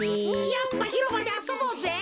やっぱひろばであそぼうぜ！